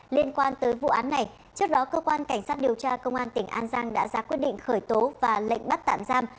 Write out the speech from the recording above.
liên quan tới vụ án này trước đó cơ quan cảnh sát điều tra công an tỉnh an giang đã ra quyết định khởi tố và lệnh bắt tạm giam